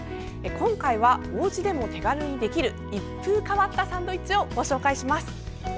今回はおうちでも手軽にできる一風変わったサンドイッチをご紹介します。